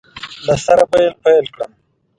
له سره به یې پیل کړم